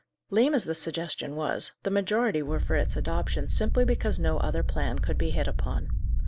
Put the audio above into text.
Lame as the suggestion was, the majority were for its adoption simply because no other plan could be hit upon.